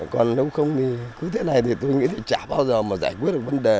còn nếu không thì cứ thế này thì tôi nghĩ chả bao giờ mà giải quyết được vấn đề